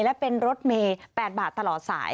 และเป็นรถเมย์๘บาทตลอดสาย